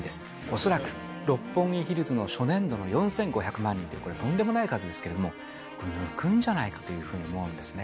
恐らく六本木ヒルズの初年度の４５００万人って、これ、とんでもない数ですけれども、これ、抜くんじゃないかというふうに思うんですね。